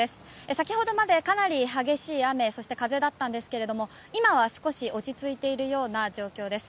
先ほどまでかなり激しい雨そして風だったんですけれども今は少し落ち着いているような状況です。